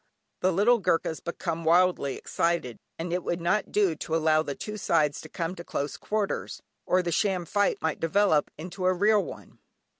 The little Goorkhas become wildly excited, and it would not do to allow the two sides to come to close quarters, or the sham fight might develop into a real one.